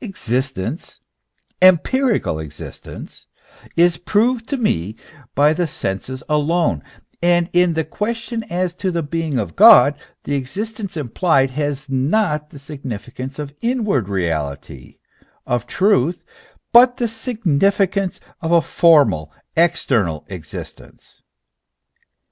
Existence, em pirical existence, is proved to me by the senses alone; and in the question as to the being of God, the existence implied has not the significance of inward reality, of truth, but the signi ficance of a formal, external existence.